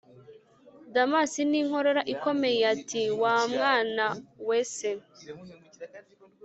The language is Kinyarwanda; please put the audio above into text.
damas ninkorora ikomeye ati: wa mwana we se